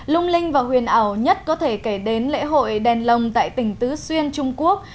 lung linh và huyền ảo nhất có thể kể đến lễ hội đèn lồng tại tỉnh tứ xuyên trung quốc